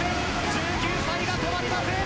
１９歳が止まりません！